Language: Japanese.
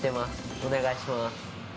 お願いします。